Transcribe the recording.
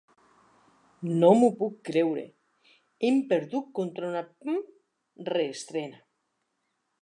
No m'ho puc creure; hem perdut contra una p------ reestrena!